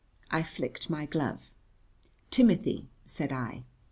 I flicked my glove. "Timothy," said I.